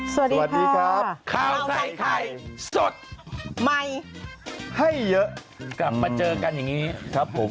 สวัสดีครับข้าวใส่ไข่สดใหม่ให้เยอะกลับมาเจอกันอย่างนี้ครับผม